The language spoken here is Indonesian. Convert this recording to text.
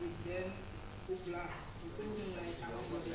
ini terkait dengan